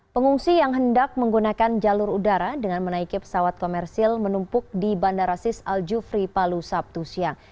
pengungsi yang hendak menggunakan jalur udara dengan menaiki pesawat komersil menumpuk di bandara sis al jufri palu sabtu siang